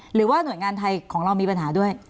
หรือว่าหน่วยงานไทยของเรามีปัญหาด้วย